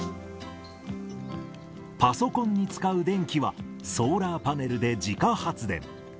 パソコンに使う電気は、ソーラーパネルで自家発電。